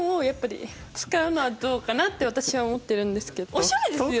おしゃれですよね？